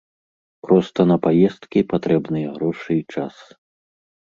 Проста на паездкі патрэбныя грошы і час.